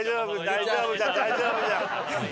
大丈夫じゃ大丈夫じゃ。